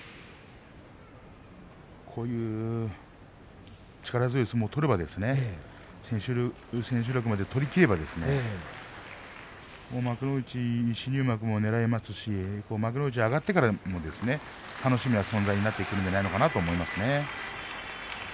こういう力強い相撲を取れば千秋楽まで取りきれば幕内新入幕もねらえますし幕内上がってからも楽しみな存在になってくると思います。